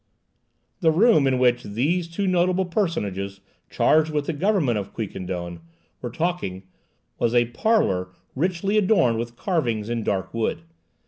The room in which these two notable personages, charged with the government of Quiquendone, were talking, was a parlour richly adorned with carvings in dark wood.